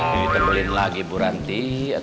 ditebelin lagi bu ranti